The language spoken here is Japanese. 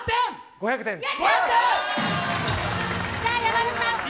５００点です。